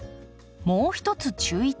もう一つ注意点。